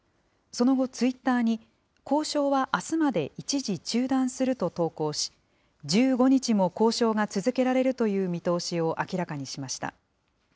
その後、ツイッターに交渉はあすまで一時中断すると投稿し、１５日も交渉が続けられるという見通しを明らかにしました。